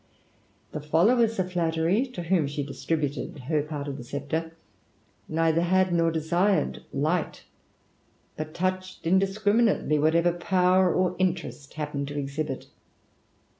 The followers of Flattery, to whom she dis tributed her part of the sceptre, neither had nor desired light, but touched indiscriminately whatever Power or Interest happened to exhibit.